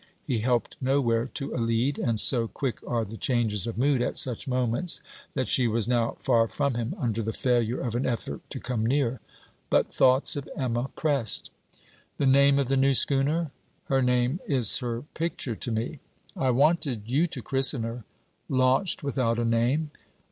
He helped nowhere to a lead; and so quick are the changes of mood at such moments that she was now far from him under the failure of an effort to come near. But thoughts of Emma pressed. 'The name of the new schooner? Her name is her picture to me.' 'I wanted you to christen her.' 'Launched without a name?'